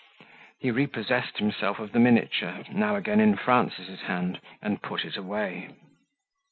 He repossessed himself of the miniature, now again in Frances' hand, and put it away.